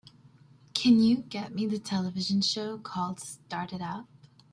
can you get me the television show called Start It Up?